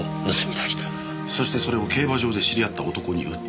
そしてそれを競馬場で知り合った男に売った。